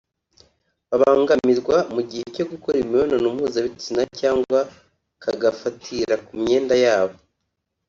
babangamirwa mu gihe cyo gukora imibonano mpuzabitsina cyangwa kagafatira ku myenda yabo